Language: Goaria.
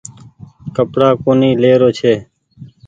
ڪپڙآ ڪونيٚ لي رو ڇي۔